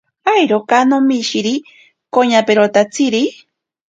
Awiroka nomishiri koñatakoperotatsiri.